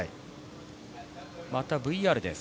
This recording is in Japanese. またＶＲです。